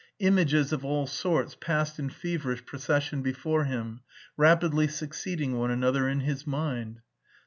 Images of all sorts passed in feverish procession before him, rapidly succeeding one another in his mind.